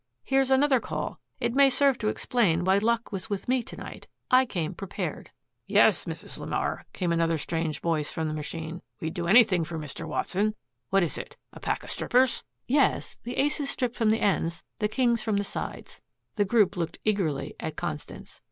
"Here's another call. It may serve to explain why luck was with me to night. I came prepared." "Yes, Mrs. LeMar," came another strange voice from the machine. "We'd do anything for Mr. Watson. What is it a pack of strippers?" "Yes. The aces stripped from the ends, the kings from the sides." The group looked eagerly at Constance.